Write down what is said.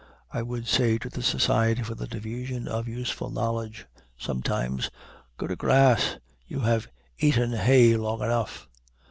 I would say to the Society for the Diffusion of Useful Knowledge, sometimes, Go to grass. You have eaten hay long enough.